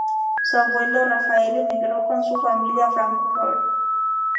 Su abuelo, Rafael, emigró con su familia a Frankfurt.